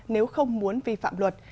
nếu không muốn vi phạm luật